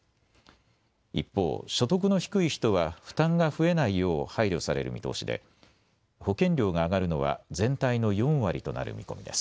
一方、所得の低い人は負担が増えないよう配慮される見通しで保険料が上がるのは全体の４割となる見込みです。＃